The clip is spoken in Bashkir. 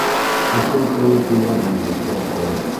Көшөл кеүек булғанһың бит, балаҡайым!